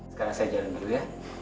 sekarang saya jalan dulu ya